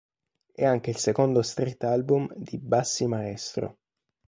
È anche il secondo street album di Bassi Maestro.